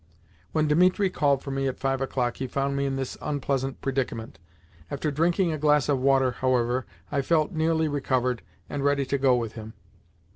When Dimitri called for me at five o'clock, he found me in this unpleasant predicament. After drinking a glass of water, however, I felt nearly recovered, and ready to go with him.